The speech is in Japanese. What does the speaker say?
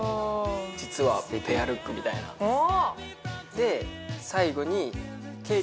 実はペアルックみたいなおおっ